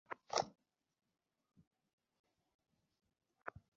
পাপ্পু, ও সময় কিছু ভাবিনি।